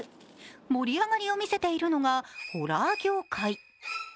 盛り上がりを見せているのがホラー業界。